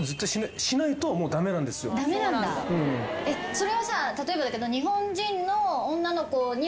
それはさ例えばだけど。